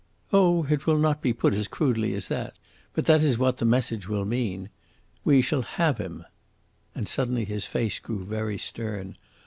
Oh it will not be put as crudely as that, but that is what the message will mean. We shall have him." And suddenly his face grew very stern.